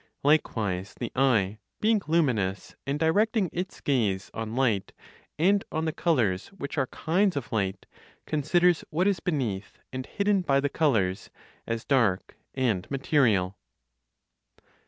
Likewise, the eye, being luminous, and directing its gaze on light and on the colors which are kinds of light, considers what is beneath, and hidden by the colors, as dark and material.